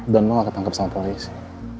dan lo gak ketangkep sama polisi